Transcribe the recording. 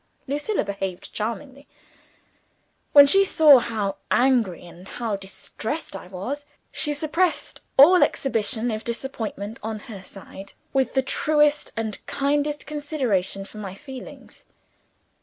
Lucilla behaved charmingly. When she saw how angry and how distressed I was, she suppressed all exhibition of disappointment on her side, with the truest and kindest consideration for my feelings.